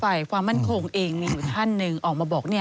ฝ่ายความมั่นคงเองมีอยู่ท่านหนึ่งออกมาบอก